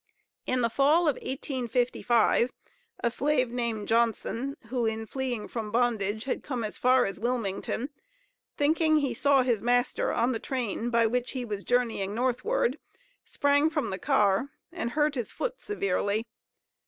In the fall of 1855 a slave named Johnson, who, in fleeing from bondage, had come as far as Wilmington, thinking he saw his master on the train by which he was journeying northward, sprang from the car and hurt his foot severely.